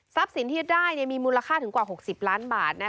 ทรัพย์สินที่ได้มีมูลค่าถึงกว่า๖๐ล้านบาท